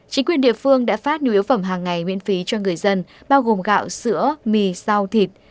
chính quyền địa phương đã phát nhu yếu phẩm hàng ngày miễn phí cho người dân bao gồm gạo sữa mì rau thịt